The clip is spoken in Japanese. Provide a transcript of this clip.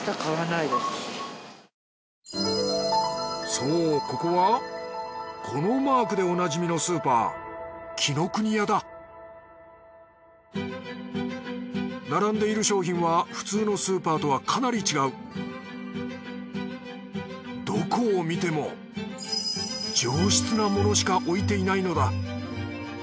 そうここはこのマークでおなじみのスーパー並んでいる商品は普通のスーパーとはかなり違うどこを見ても上質なものしか置いていないのだ